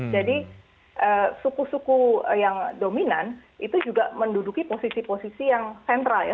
jadi suku suku yang dominan itu juga menduduki posisi posisi yang sentral ya